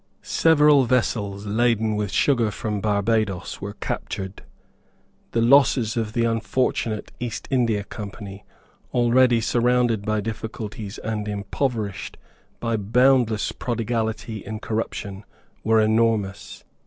Several vessels laden with sugar from Barbadoes were captured. The losses of the unfortunate East India Company, already surrounded by difficulties and impoverished by boundless prodigality in corruption, were enormous.